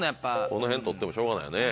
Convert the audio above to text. この辺取ってもしょうがないよね。